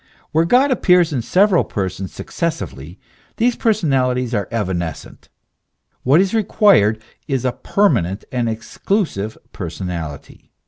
Where God appears in several persons succes sively, these personalities are evanescent. What is required is a permanent, an exclusive personality.